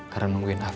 karena nungguin afif